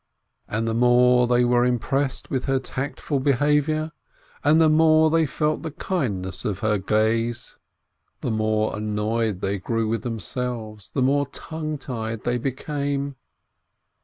And the more they were impressed with her tactful behavior, and the more they felt the kindness of her gaze, WOMEN 471 the more annoyed they grew with themselves, the more tongue tied they became.